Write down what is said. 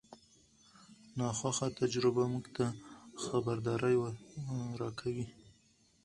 ناخوښه تجربه موږ ته خبرداری ورکوي.